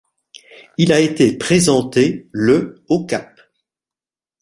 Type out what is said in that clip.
Il a été présenté le au Cap.